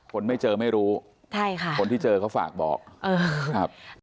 คนไม่เจอไม่รู้ใช่ค่ะคนที่เจอเขาฝากบอกเออครับ